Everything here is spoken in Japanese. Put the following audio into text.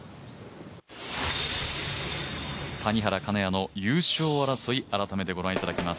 谷原、金谷の優勝争い改めて御覧いただきます。